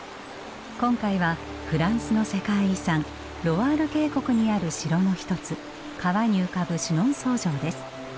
今回はフランスの世界遺産ロワール渓谷にある城の一つ川に浮かぶシュノンソー城です。